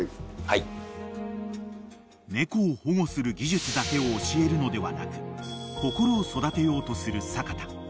［猫を保護する技術だけを教えるのではなく心を育てようとする阪田］